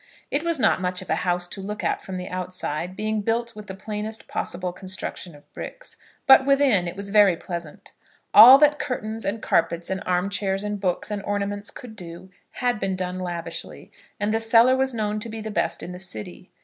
It was not much of a house to look at from the outside, being built with the plainest possible construction of brick; but within it was very pleasant. All that curtains, and carpets, and armchairs, and books, and ornaments could do, had been done lavishly, and the cellar was known to be the best in the city.